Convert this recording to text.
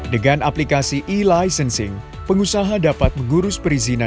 dengan aplikasi e licensing pengusaha dapat mengurus perizinan